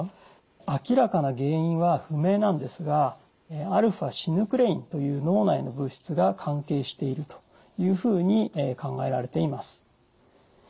明らかな原因は不明なんですがαシヌクレインという脳内の物質が関係しているというふうに考えられています。